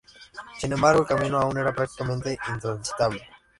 Sin embargo, el camino aún era prácticamente intransitable.